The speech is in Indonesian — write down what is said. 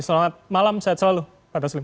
selamat malam sehat selalu pak duslim